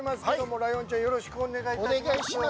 ライオンちゃんよろしくお願いいたします。